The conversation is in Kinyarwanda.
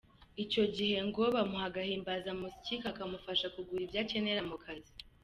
Icyo gihe ngo bamuha agahimbazamusyi kakamufasha kugura ibyo akenera mu kazi.